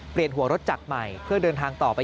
เปลี่ยนหัวรถจักรใหม่เพื่อเดินทางต่อไป